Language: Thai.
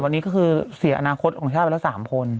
วันนี้ก็คือเสียอนาคตของชาติไปแล้ว๓คน